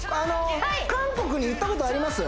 韓国に行ったことあります？